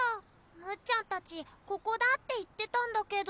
むっちゃんたちここだって言ってたんだけど。